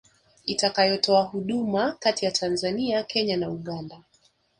itakayotoa huduma kati ya Tanzania Kenya na Uganda